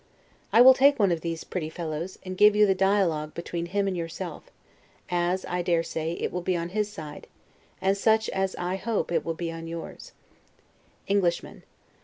I will take one of these pretty fellows, and give you the dialogue between him and yourself; such as, I dare say, it will be on his side; and such as, I hope, it will be on yours: Englishman.